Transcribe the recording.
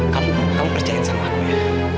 kamu kamu percayain sama aku ya